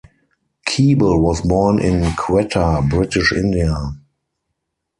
Keeble was born in Quetta, British India.